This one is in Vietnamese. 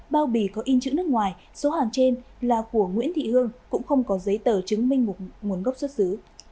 bao bì có in chữ nước ngoài số hàng trên là của nguyễn thị hương cũng không có giấy tờ chứng minh nguồn gốc xuất xứ